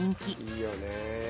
いいよね。